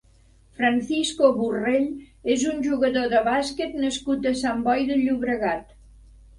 Francisco Borrell és un jugador de bàsquet nascut a Sant Boi de Llobregat.